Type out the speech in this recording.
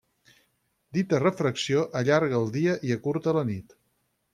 Dita refracció allarga el dia i acurta la nit.